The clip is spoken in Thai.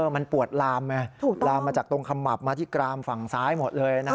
มันปวดลามไงถูกลามมาจากตรงขมับมาที่กรามฝั่งซ้ายหมดเลย